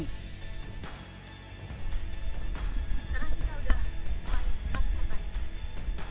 sekarang kita sudah masuk ke hutan